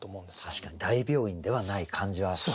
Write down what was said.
確かに大病院ではない感じはありますね。